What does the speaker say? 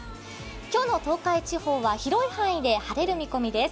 今日の東海地方は広い範囲で晴れる見込みです